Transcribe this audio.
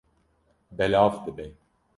Belav dibe.